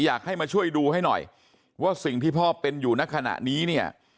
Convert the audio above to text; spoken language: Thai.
อยากให้มาช่วยดูให้หน่อยว่าสิ่งที่พ่อเป็นอยู่ในขณะนี้เนี่ย